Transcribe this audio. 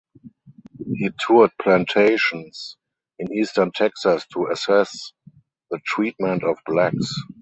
He toured plantations in eastern Texas to assess the treatment of blacks.